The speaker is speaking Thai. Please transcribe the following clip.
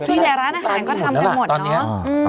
ที่ร้านอาหารก็ทำได้หมดเนอะ